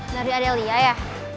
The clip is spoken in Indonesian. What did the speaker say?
dari adelia ya